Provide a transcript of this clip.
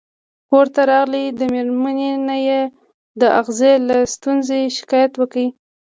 کور ته راغی او مېرمنې ته یې د اغزي له ستونزې شکایت وکړ.